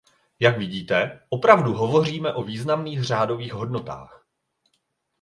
Jak vidíte, opravdu hovoříme o významných řádových hodnotách.